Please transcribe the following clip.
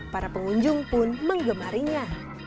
para pengunjung pun mengemarinya